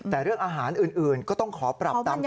แต่เรื่องอาหารอื่นก็ต้องขอปรับตามกฎของร้าน